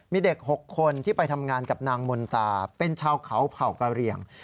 มีเด็ก๖คนที่ไปทำงานกับนางมนตาเป็นชาวเขาเผ่ากะเหลี่ยง